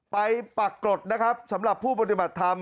ไปปรากฏนะครับสำหรับผู้ปฏิบัติธรรม